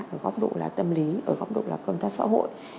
ở góc độ là tâm lý ở góc độ là công tác xã hội